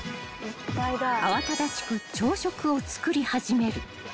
［慌ただしく朝食を作り始める］